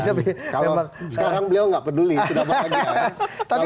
sekarang beliau nggak peduli sudah pas lagi